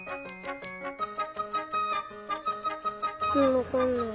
わかんない。